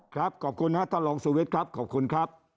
ครับขอบคุณนะตลสุวิทครับขอบคุณครับ